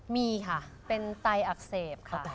มีค่ะเป็นไตอักเสบค่ะ